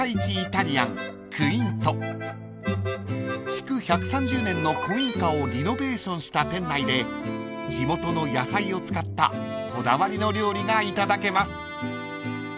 ［築１３０年の古民家をリノベーションした店内で地元の野菜を使ったこだわりの料理がいただけます］